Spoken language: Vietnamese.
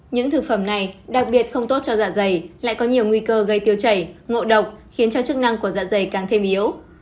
những thực phẩm này đặc biệt không tốt cho dạ dày lại có nhiều nguy cơ gây tiêu chảy ngộ độc khiến cho chức năng của dạ dày càng thêm yếu